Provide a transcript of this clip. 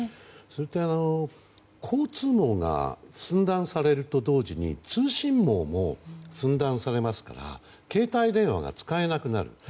それと、交通網が寸断されると同時に通信網も寸断されますから携帯電話が使えなくなる。